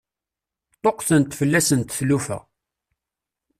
Ṭṭuqqtent fell-asent tlufa.